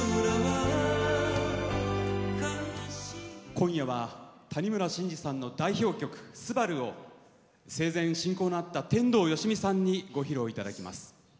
今夜は谷村新司さんの代表曲「昴‐すばる‐」を生前、親交のあった天童よしみさんにご披露いただきます。